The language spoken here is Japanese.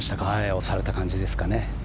押された感じですかね。